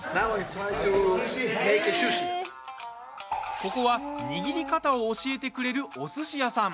ここは、握り方を教えてくれるおすし屋さん。